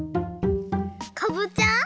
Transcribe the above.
かぼちゃ？